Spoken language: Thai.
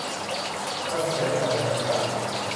ทันสมัยระดับนานาชาติ